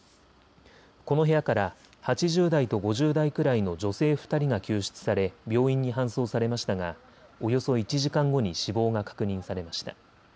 この部屋から８０代と５０代くらいの女性２人が救出され病院に搬送されましたがおよそ１時間後に死亡が確認されました。